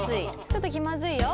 ちょっと気まずいよ。